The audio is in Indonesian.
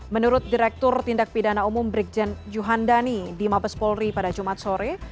menurut direktur tindak pidana umum brigjen juhandani di mabes polri pada jumat sore